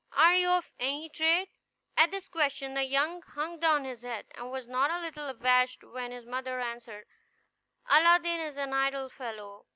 Are you of any trade?" At this question the youth hung down his head, and was not a little abashed when his mother answered, "Aladdin is an idle fellow.